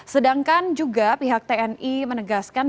sedangkan juga pihak tni menegaskan